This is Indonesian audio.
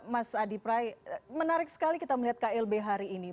mas adi prai menarik sekali kita melihat klb hari ini